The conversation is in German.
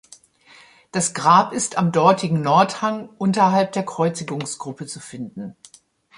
Das Grab ist am dortigen Nordhang unterhalb der Kreuzigungsgruppe zu finden.